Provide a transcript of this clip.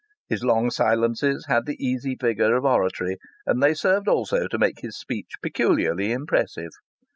His long silences had the easy vigour of oratory, and they served also to make his speech peculiarly impressive.